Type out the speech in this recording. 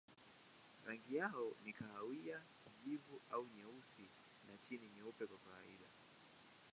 Rangi yao ni kahawia, kijivu au nyeusi na chini nyeupe kwa kawaida.